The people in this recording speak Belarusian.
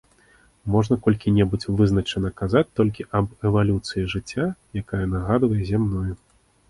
Можна колькі-небудзь вызначана казаць толькі аб эвалюцыі жыцця, якая нагадвае зямную.